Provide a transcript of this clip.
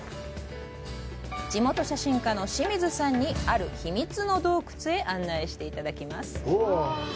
地元写真家の冷水さんにある「秘密の洞窟」へ案内してもらいます。